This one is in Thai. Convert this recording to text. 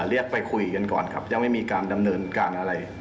เรียกไปคุยกันก่อนครับยังไม่มีการดำเนินการอะไร